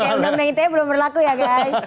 oke undang undang itu belum berlaku ya guys